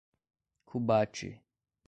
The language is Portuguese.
Cubati